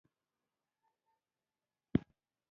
بانجان، کچالو، روميان او پیاز